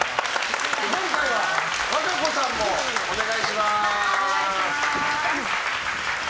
今回は和歌子さんもお願いします。